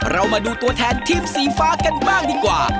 เรามาดูตัวแทนทีมสีฟ้ากันบ้างดีกว่า